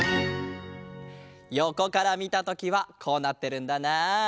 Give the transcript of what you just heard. よこからみたときはこうなってるんだなあ。